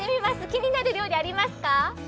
気になる料理ありますか？